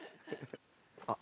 あっ。